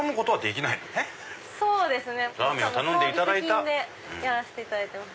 サービス品でやらせていただいてます。